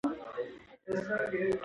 ناروغي کېدای شي روغتون ته ورسوي.